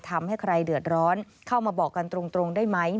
ทำให้ใครเดือดร้อนเข้ามาบอกกันตรงได้ไหม